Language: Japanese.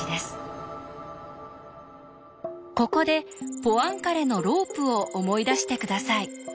ここでポアンカレのロープを思い出して下さい。